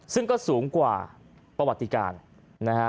ซึ่งก็สูงกว่าประวัติการนะฮะ